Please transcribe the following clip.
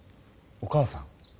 お母さん？